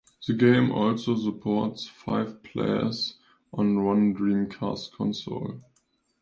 The game also supports five players on one Dreamcast console.